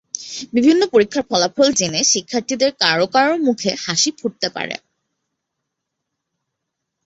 বিভিন্ন পরীক্ষার ফলাফল জেনে শিক্ষার্থীদের কারও কারও মুখে হাসি ফুটতে পারে।